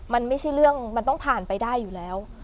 มันไม่ใช่เรื่องมันต้องผ่านไปได้อยู่แล้ว